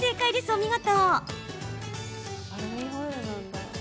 お見事。